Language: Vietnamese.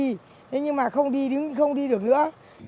thế nhưng mà không đi đúng không đi được nữa